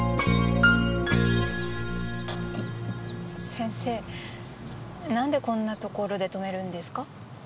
先生なんでこんなところで止めるんですか？